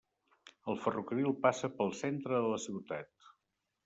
El ferrocarril passa pel centre de la ciutat.